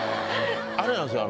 あれなんですよ